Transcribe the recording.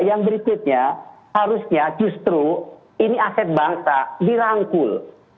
yang berikutnya harusnya justru ini aset bangsa dirangkul